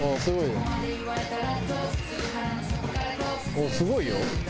あっすごいよ！